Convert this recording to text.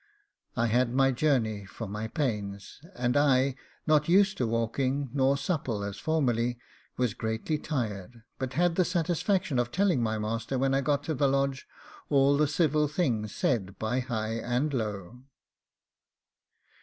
I had my journey for my pains, and I, not used to walking, nor supple as formerly, was greatly tired, but had the satisfaction of telling my master, when I got to the Lodge, all the civil things said by high and low.